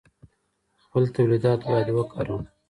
خپل تولیدات باید وکاروو.